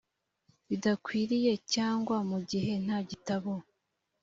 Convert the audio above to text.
bidakwiriye cyangwa mu gihe nta gitabo